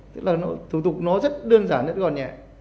tức là nó thủ tục nó rất đơn giản rất gọn nhẹ